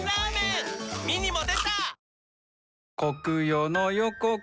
ミニも出た！